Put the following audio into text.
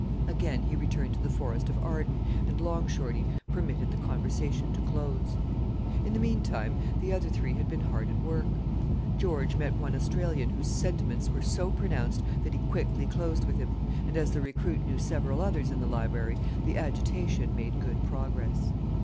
Again he returned to the Forest of Arden, and Long Shorty permitted the conversation to close. In the meantime, the other three had been hard at work. George met one Australian whose sentiments were so pronounced that he quickly closed with him; and as the recruit knew several others in the library, the agitation made good progress.